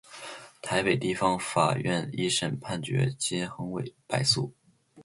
台北地方法院一审判决金恒炜败诉。